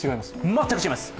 全く違います！